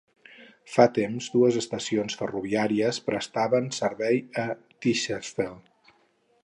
Fa temps dues estacions ferroviàries prestaven servei a Tibshelf.